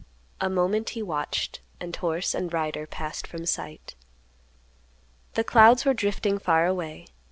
A moment he watched, and horse and rider passed from sight. The clouds were drifting far away.